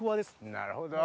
なるほど。